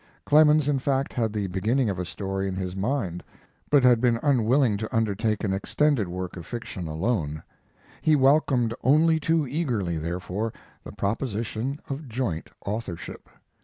Clemens, in fact, had the beginning of a story in his mind, but had been unwilling to undertake an extended work of fiction alone. He welcomed only too eagerly, therefore, the proposition of joint authorship.